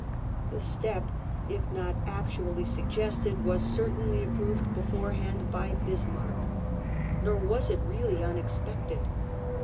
The step, if not actually suggested, was certainly approved beforehand by Bis marck. Nor was it really unexpected.